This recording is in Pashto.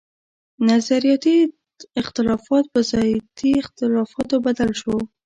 نظرياتي اختلافات پۀ ذاتي اختلافاتو بدل شو